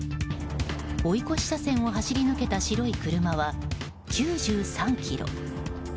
追い越し車線を走り抜けた白い車は９３キロ。